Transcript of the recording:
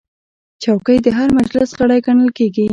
چوکۍ د هر مجلس غړی ګڼل کېږي.